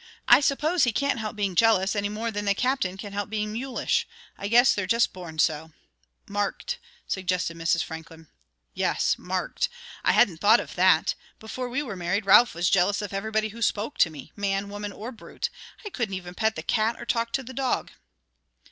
I suppose he can't help being jealous any more than the Captain can help being mulish. I guess they're just born so." "Marked," suggested Mrs. Franklin. "Yes marked. I hadn't thought of that. Before we were married, Ralph was jealous of everybody who spoke to me man, woman, or brute. I couldn't even pet the cat or talk to the dog."